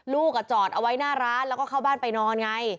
ลูกจอดเอาไว้หน้าร้านแล้วก็เข้าบ้านไปนอนไง